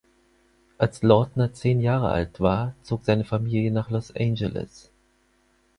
Als Lautner zehn Jahre alt war, zog seine Familie nach Los Angeles.